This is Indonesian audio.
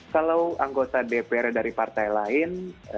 kalau anggota dpr dari partai lain